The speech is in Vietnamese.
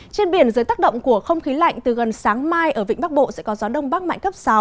trên biển dưới tác động của không khí lạnh từ gần sáng mai ở vịnh bắc bộ sẽ có gió đông bắc mạnh cấp sáu